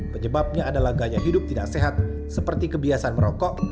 penyebabnya adalah gaya hidup tidak sehat seperti kebiasaan merokok